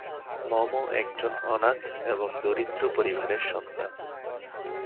মম একজন অনাথ এবং দরিদ্র পরিবারের সন্তান।